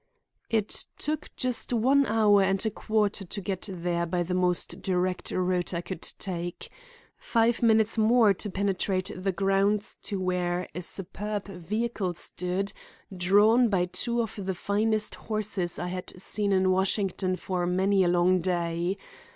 It took just one hour and a quarter to get there by the most direct route I could take. Five minutes more to penetrate the grounds to where a superb vehicle stood, drawn by two of the finest horses I had seen in Washington for many a long day.